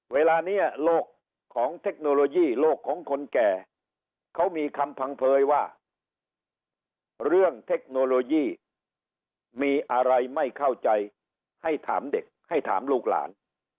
เวลานี้โลกของเทคโนโลยีโลกของคนแก่เขามีคำพังเผยว่าเรื่องเทคโนโลยีมีอะไรไม่เข้าใจให้ถามเด็กให้ถามลูกหลาน